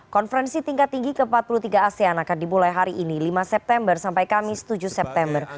konferensi tingkat tinggi ke empat puluh tiga asean akan dimulai hari ini lima september sampai kamis tujuh september